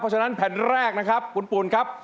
เพราะฉะนั้นแผ่นแรกนะครับคุณปูนครับ